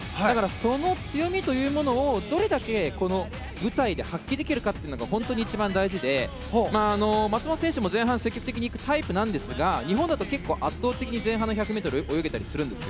その強みというのをどれだけこの舞台で発揮できるかが本当に一番大事で松元選手も前半積極的に行くタイプなんですが日本だと結構、圧倒的に前半の１００ｍを泳げたりするんです。